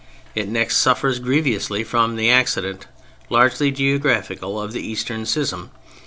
It next suffers grievously from the accident, largely geographical, of the Eastern schism.